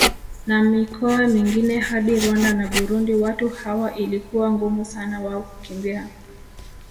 Na mikoa mingine hadi Rwanda na Burundi watu hawa ilikuwa ngumu sana wao kukimbia